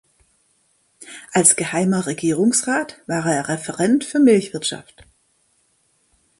Als Geheimer Regierungsrat war er Referent für Milchwirtschaft.